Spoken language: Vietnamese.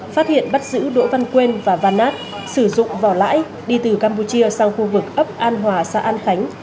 phát hiện bắt giữ đỗ văn quên và van nát sử dụng vỏ lãi đi từ campuchia sang khu vực ấp an hòa xã an khánh